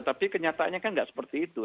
tapi kenyataannya kan tidak seperti itu